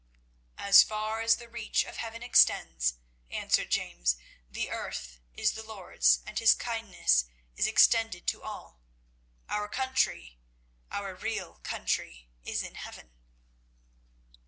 "As far as the reach of heaven extends," answered James, "the earth is the Lord's, and His kindness is extended to all. Our country our real country is in heaven."